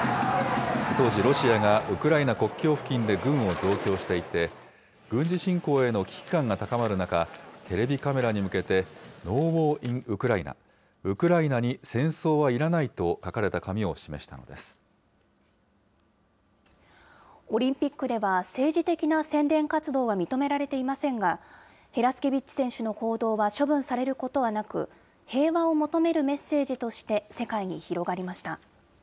当時ロシアがウクライナ国境付近で軍を増強していて、軍事侵攻への危機感が高まる中、テレビカメラに向けて、ＮＯＷＡＲＩＮＵＫＲＡＩＮＥ・ウクライナに戦争はいらないと書かれた紙を示しオリンピックでは政治的な宣伝活動は認められていませんが、ヘラスケビッチ選手の行動は処分されることはなく、平和を求めるメッセージとして、世界に広がりました。